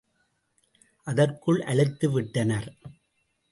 அதற்குள் அலுத்து விட்டனர்.